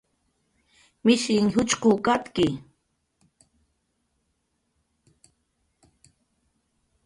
Mishinh juchqw katki